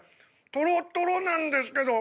トロトロなんですけど！